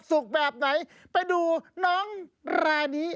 แบบไหนไปดูน้องรายนี้